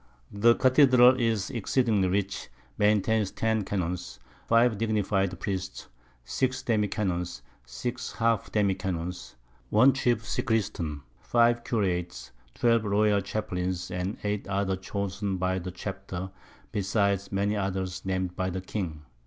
The Cathedral is exceeding rich, maintains 10 Canons, 5 dignify'd Priests, 6 Demi Canons, 6 half Demi Canons, 1 Chief Sacristain, 4 Curates, 12 Royal Chaplains, and 8 others chosen by the Chapter, besides many others nam'd by the King.